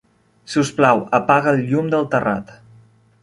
Si us plau, apaga el llum del terrat.